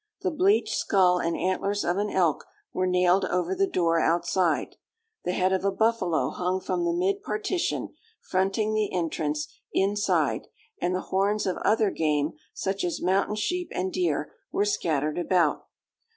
The bleached skull and antlers of an elk were nailed over the door outside; the head of a buffalo hung from the mid partition, fronting the entrance, inside; and the horns of other game, such as mountain sheep and deer, were scattered about.